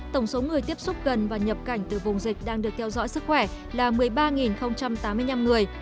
tổng số người tiếp xúc gần và nhập cảnh từ vùng dịch đang được theo dõi sức khỏe là một mươi ba tám mươi năm người